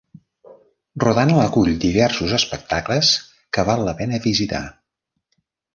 Rodano acull diversos espectacles que val la pena visitar.